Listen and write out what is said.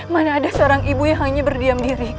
mana ada seorang ibu yang hanya berdiam diri